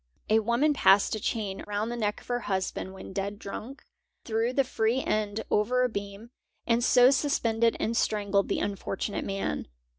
A woman passed a chain round the neck of her husband when dead drunk, threw the free end over a beam, and so suspended and strangled the unfortunate man.